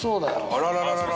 あららら！